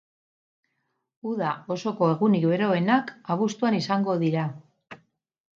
Uda osoko egunik beroenak abuztuan izango dira.